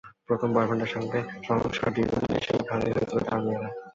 প্রথম বয়ফ্রেন্ডের সঙ্গে সংসার দীর্ঘ দিনের, সেই ঘরেই হয়েছিল তাঁর মেয়েরা।